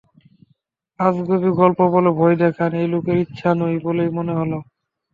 আজগুবি গল্প বলে ভয় দেখান এই লোকের ইচ্ছা নয় বলেই মনে হল।